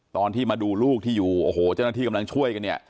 ตอนที่มาดูลูกที่อยู่โอ้โหเจ้าหน้าที่กำลังช่วยกันเนี่ย